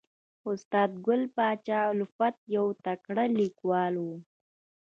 استاد ګل پاچا الفت یو تکړه لیکوال و